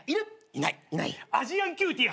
いない。